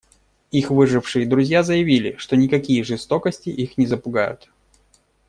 Их выжившие друзья заявили, что никакие жестокости их не запугают.